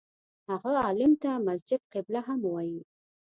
هغه عالم ته مسجد قبله هم وایي.